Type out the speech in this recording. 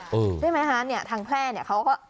ใช่ไหมคะเนี่ยทางแพร่เนี่ยเขาก็